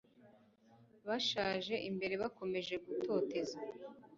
bashaje imbere. bakomeje gutoteza